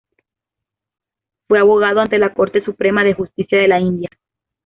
Fue abogado ante la Corte Suprema de Justicia de la India.